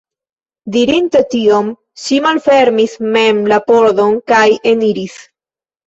Dirinte tion, ŝi malfermis mem la pordon kaj eniris.